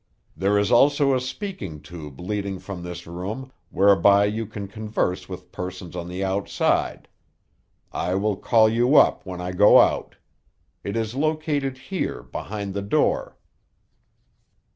There is also a speaking tube leading from this room, whereby you can converse with persons on the outside. I will call you up when I go out. It is located here, behind the door."